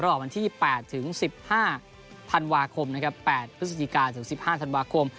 ระหว่างวันที่แปดถึงสิบห้าธันวาคมนะครับแปดพฤศจิกาถึงสิบห้าธันวาคม